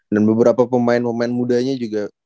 dan beberapa pemain pemain mudanya juga